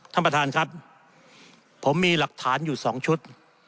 ท่านประธานครับผมมีหลักฐานอยู่สองชุด